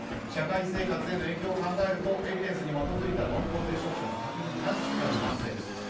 社会生活への影響を考えるとエビデンスに基づいた濃厚接触者の隔離期間の短縮には賛成です。